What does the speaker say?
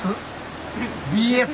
ＢＳ？